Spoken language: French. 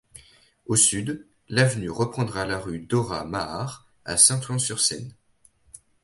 Au sud, l'avenue reprendra la rue Dora-Maar à Saint-Ouen-sur-Seine.